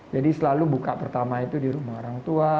jadi selalu buka pertama itu di rumah orang tua